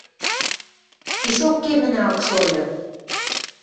Пишок кемӹнӓ ак шо ыльы.